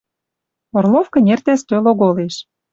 Орлов кӹнертӓ стӧл оголеш.